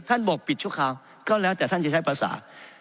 บอกปิดชั่วคราวก็แล้วแต่ท่านจะใช้ภาษา